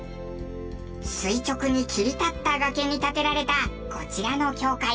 垂直に切り立った崖に建てられたこちらの教会。